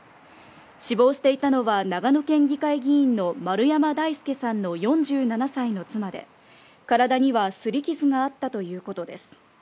死亡していたのは、長野県議会議員の丸山大輔さんの４７歳の妻で、体にはすり傷があったということです。